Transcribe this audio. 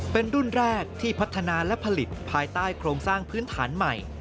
เป็นรุ่นแรกที่พัฒนาและผลิตภายใต้โครงสร้างพื้นฐานใหม่